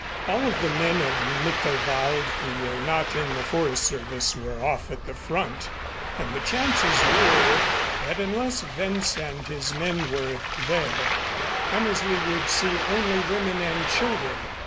All of the men of Mittelwald who were not in the Forest Service were off at the front and the chances were that unless Wentz and his men were there, Hammersley would see only women and children.